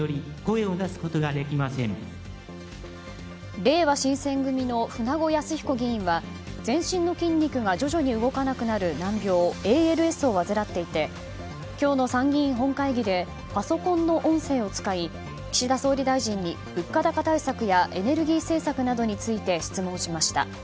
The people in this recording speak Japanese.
れいわ新選組の舩後靖彦議員は全身の筋肉が徐々に動かなくなる難病ＡＬＳを患っていて今日の参議院本会議でパソコンの音声を使い岸田総理大臣に物価高対策やエネルギー政策などについて質問しました。